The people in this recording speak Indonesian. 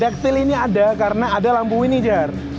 ductile ini ada karena ada lampu ini jer